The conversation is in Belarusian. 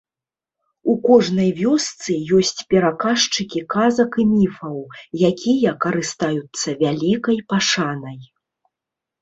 У кожнай вёсцы ёсць пераказчыкі казак і міфаў, якія карыстаюцца вялікай пашанай.